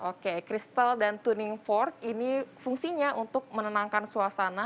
oke kristal dan tuning fork ini fungsinya untuk menenangkan suasana